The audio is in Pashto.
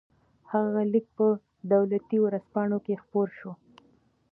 هغه لیک په دولتي ورځپاڼو کې خپور شو.